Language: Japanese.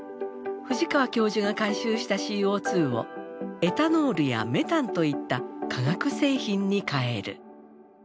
藤川教授が回収したＣＯをエタノールやメタンといった化学製品に変える。